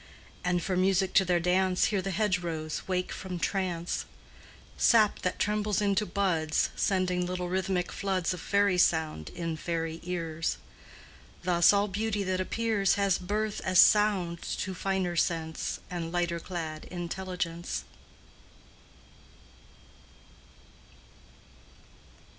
And for music to their dance Hear the hedgerows wake from trance, Sap that trembles into buds Sending little rhythmic floods Of fairy sound in fairy ears. Thus all beauty that appears Has birth as sound to finer sense And lighter clad intelligence.